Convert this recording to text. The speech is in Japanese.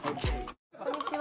こんにちは。